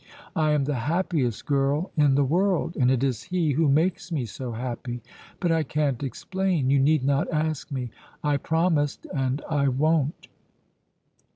I am the happiest girl in the world, and it is he who makes me so happy. But I can't explain. You need not ask me; I promised, and I won't."